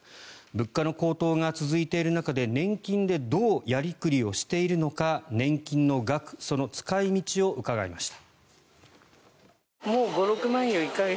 物価の高騰が続いている中で年金でどうやりくりをしているのか年金の額、その使い道を伺いました。